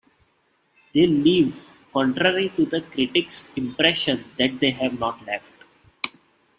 They leave, contrary to the critics' impression that they have not left.